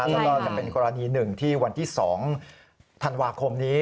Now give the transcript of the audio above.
อันนี้ก็รออย่างเป็นกรณีหนึ่งที่วันที่๒ธันวาคมนี้